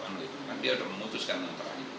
nanti dia sudah memutuskan dengan terakhir